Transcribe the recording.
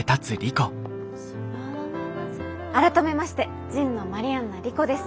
改めまして神野マリアンナ莉子です。